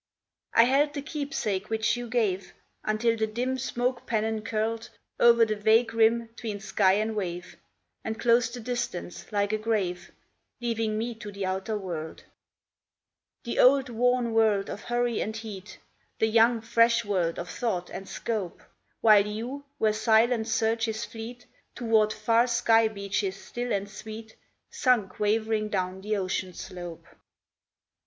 I held the keepsake which you gave, Until the dim smoke pennon curled O'er the vague rim 'tween sky and wave, And closed the distance like a grave, Leaving me to the outer world; The old worn world of hurry and heat, The young, fresh world of thought and scope; While you, where silent surges fleet Toward far sky beaches still and sweet, Sunk wavering down the ocean slope.